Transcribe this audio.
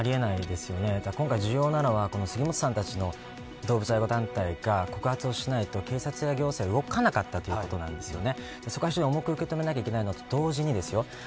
今回重要なのは杉本さんたちの動物愛護団体が告発をしないと警察や行政が動かなかったことなんですね。